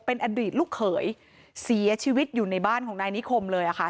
เป็นอดีตลูกเขยเสียชีวิตอยู่ในบ้านของนายนิคมเลยค่ะ